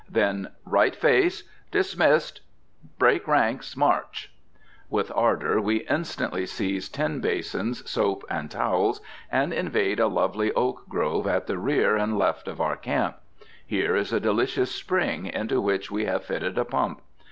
Then, "Right face! Dismissed! Break ranks! March!" With ardor we instantly seize tin basins, soap, and towels, and invade a lovely oak grove at the rear and left of our camp. Here is a delicious spring into which we have fitted a pump.